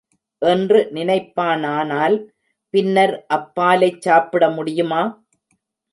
என்று நினைப்பானானால் பின்னர் அப்பாலைச் சாப்பிட முடியுமா?